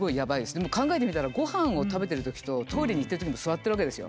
でも考えてみたらごはんを食べてるときとトイレに行ってるときも座ってるわけですよ。